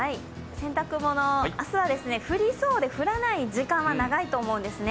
洗濯物、明日は降りそうで降らない時間は長いと思うんですね。